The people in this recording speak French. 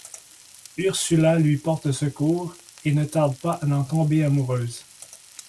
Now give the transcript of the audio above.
Ursula lui porte secours et ne tarde pas à en tomber amoureuse.